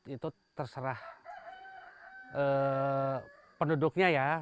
itu terserah penduduknya ya